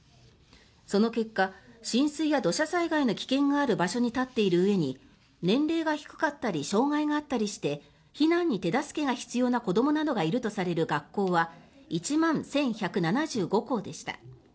その結果、浸水や土砂災害の危険がある場所に建っているうえに年齢が低かったり障害があったりして避難に手助けが必要な子どもなどがいるとされる学校は１万１１７５校でした。